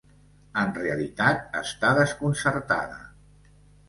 En realitat, està desconcertada.